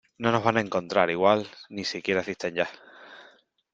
no nos van a encontrar . igual , ni si quiera existen ya .